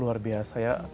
luar biasa ya